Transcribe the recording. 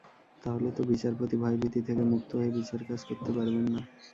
তাহলে তো বিচারপতি ভয়ভীতি থেকে মুক্ত হয়ে বিচারকাজ করতে পারবেন না।